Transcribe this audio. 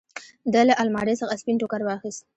ده له المارۍ څخه سپين ټوکر واخېست.